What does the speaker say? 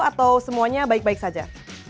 atau semuanya baik baik saja